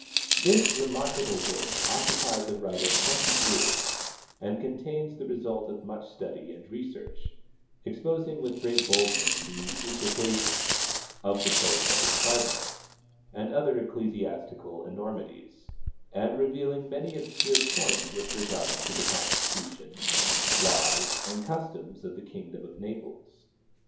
This remarkable work occupied the writer twenty years, and contains the result of much study and research, exposing with great boldness the usurpations of the Pope and his cardinals, and other ecclesiastical enormities, and revealing many obscure points with regard to the constitution, laws, and customs of the kingdom of Naples.